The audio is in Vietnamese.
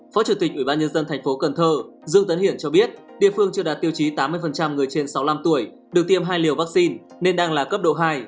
phó chủ tịch ủy ban nhân dân thành phố cần thơ dương tấn hiển cho biết địa phương chưa đạt tiêu chí tám mươi người trên sáu mươi năm tuổi được tiêm hai liều vaccine nên đang là cấp độ hai